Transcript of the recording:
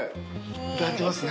いただきますね。